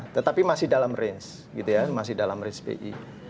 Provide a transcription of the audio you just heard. tetapi masih dalam range gitu ya masih dalam range bi